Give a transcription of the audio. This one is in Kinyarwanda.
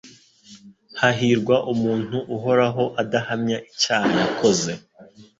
Hahirwa umuntu Uhoraho adahamya icyaha yakoze